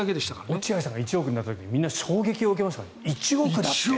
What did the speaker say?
落合さんが１億になった時みんな衝撃を受けましたからね。